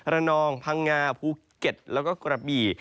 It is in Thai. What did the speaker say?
ระนองพังงาภูเก็ตแล้วก็กระบี่